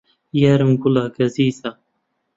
یارم گوڵە گەزیزە